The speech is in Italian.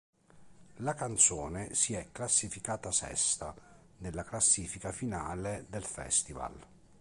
La canzone si è classificata sesta nella classifica finale del Festival.